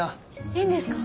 いいんですか？